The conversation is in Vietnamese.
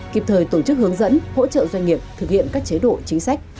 kịp thời tổ chức hướng dẫn hỗ trợ doanh nghiệp thực hiện các chế độ chính sách